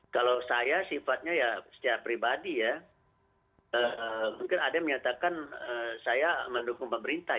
kalau saya sifatnya ya secara pribadi ya mungkin ada yang menyatakan saya mendukung pemerintah